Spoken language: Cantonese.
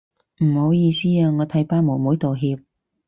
唔好意思啊，我替班妹妹道歉